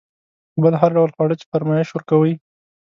بل هر ډول خواړه چې فرمایش ورکوئ.